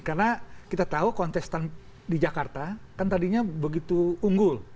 karena kita tahu kontes di jakarta kan tadinya begitu unggul